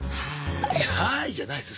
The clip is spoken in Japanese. いや「はーい」じゃないですよ。